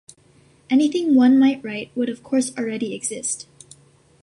Anything one might write would of course already exist.